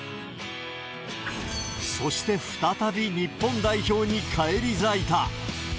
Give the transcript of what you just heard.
そして再び日本代表に返り咲いた。